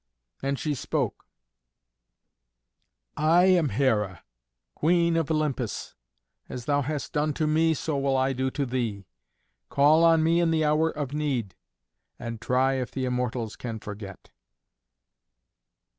And she spoke: "I am Hera, the Queen of Olympus. As thou hast done to me, so will I do to thee. Call on me in the hour of need, and try if the Immortals can forget!"